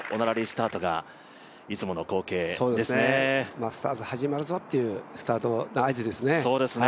マスターズ始まるぞっていうスタートの合図ですね。